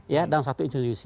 ya dalam satu institusi